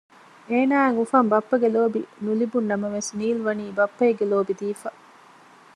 އޭނާއަށް އުފަން ބައްޕަގެ ލޯބި ނުލިބުން ނަމަވެސް ނީލްވަނީ ބައްޕައެއްގެ ލޯބި ދީފަ